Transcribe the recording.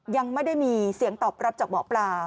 ยังไม่ได้มีเสียงตอบรับจากหมอปลา